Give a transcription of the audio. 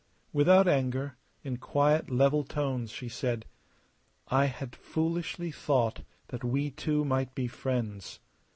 Without anger, in quiet, level tones she said: "I had foolishly thought that we two might be friends.